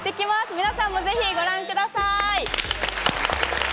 皆さんも、ぜひご覧ください。